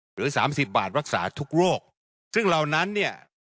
หรือสามสิบบาทรักษาทุกโรคซึ่งเหล่านั้นเนี่ย